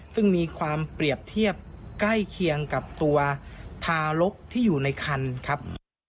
ซึ่งมีความเปรียบเทียบใกล้เคียงกับตัวทารกที่อยู่ในคันครับ